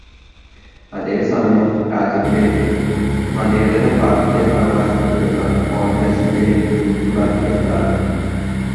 അതേ സമയം രാജ്യത്തെ മതേതരപാര്ടിയെന്നവകാശപ്പെടുന്ന കോണ്ഗ്രസിന്റെ നീക്കിബാക്കി എന്താണ്?